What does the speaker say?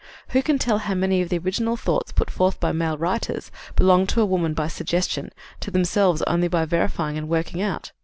Who can tell how many of the original thoughts put forth by male writers belong to a woman by suggestion, to themselves only by verifying and working out?